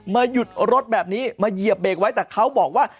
หยุดรถแบบนี้มาเหยียบเบรกไว้แต่เขาบอกว่า